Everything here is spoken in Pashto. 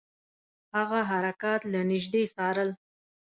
هغه حرکات له نیژدې څارل.